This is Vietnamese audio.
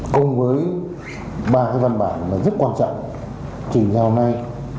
cùng với ba cái văn bản rất quan trọng chỉ nhau này